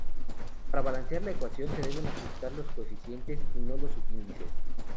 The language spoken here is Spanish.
Para balancear una ecuación, se deben ajustar los coeficientes, y no los subíndices.